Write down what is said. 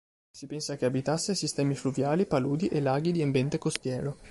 Si pensa che abitasse sistemi fluviali, paludi e laghi di ambiente costiero.